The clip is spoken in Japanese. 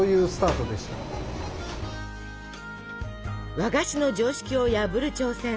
和菓子の常識を破る挑戦。